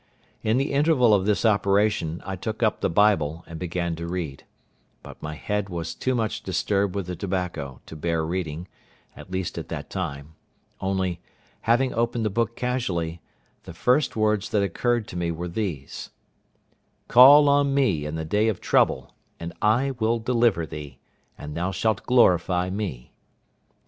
In the interval of this operation I took up the Bible and began to read; but my head was too much disturbed with the tobacco to bear reading, at least at that time; only, having opened the book casually, the first words that occurred to me were these, "Call on Me in the day of trouble, and I will deliver thee, and thou shalt glorify Me."